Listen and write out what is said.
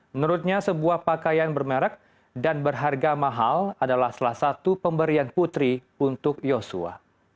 menurutnya sebuah pakaian bermerek dan berharga mahal adalah salah satu pemberian putri untuk yosua